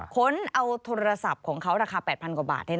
ค้นเอาโทรศัพท์ของเขาราคา๘๐๐กว่าบาท